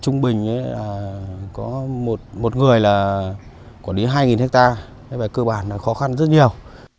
trung bình có một người là có đến hai ha cơ bản là khó khăn rất nhiều